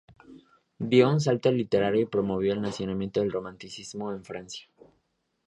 Dio un salto literario y promovió el nacimiento del Romanticismo en Francia.